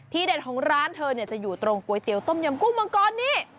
เด็ดของร้านเธอจะอยู่ตรงก๋วยเตี๋ยต้มยำกุ้งมังกรนี้